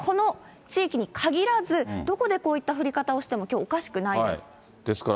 そして、この地域に限らず、どこでこういった降り方をしてもきょうおかしくないです。